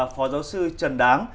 phó giáo sư trần đăng